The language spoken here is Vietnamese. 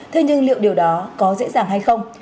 thế nhưng liệu điều đó có dễ dàng hay không